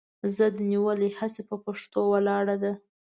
ضد نیولې هسې پهٔ پښتو ولاړه ده